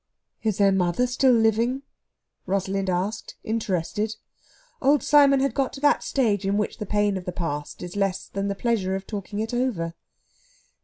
"Is their mother still living?" Rosalind asked, interested. Old Simon had got to that stage in which the pain of the past is less than the pleasure of talking it over.